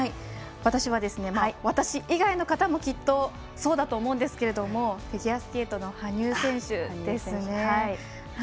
私は私以外の方もきっとそうだと思いますがフィギュアスケートの羽生選手ですね。